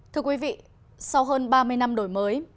thưa quý vị sau hơn ba mươi năm đổi mới